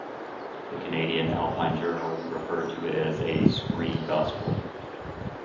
The "Canadian Alpine Journal" referred to it as a "scree gospel".